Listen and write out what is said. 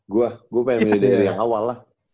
gue gue pengen milih dari yang awal lah